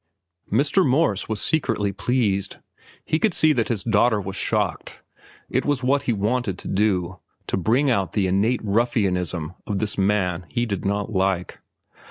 Mr. Morse was secretly pleased. He could see that his daughter was shocked. It was what he wanted to do—to bring out the innate ruffianism of this man he did not like.